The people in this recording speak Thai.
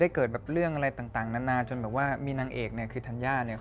ได้เกิดเรื่องอะไรต่างนานจนยังว่ามีนางเอกคือธรรยา